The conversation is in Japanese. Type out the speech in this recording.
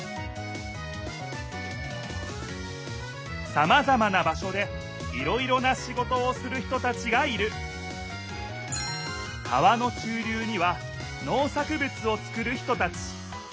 さまざまな場所でいろいろなシゴトをする人たちがいる川の中りゅうにはのう作ぶつを作る人たち。